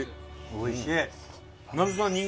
おいしい！